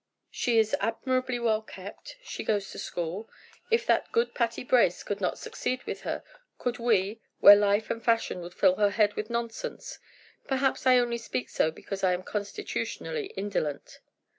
She is admirably well kept; she goes to school. If that good Patty Brace could not succeed with her, could we, where life and fashion would fill her head with nonsense? Perhaps I only speak so because I am constitutionally indolent."